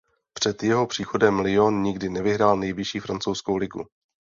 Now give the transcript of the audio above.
Před jeho příchodem Lyon nikdy nevyhrál nejvyšší francouzskou ligu.